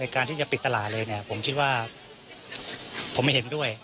การที่จะปิดตลาดเลยเนี่ยผมคิดว่าผมไม่เห็นด้วย